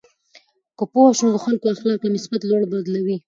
که پوه شو، نو د خلکو اخلاق له مثبت لوري بدلوو.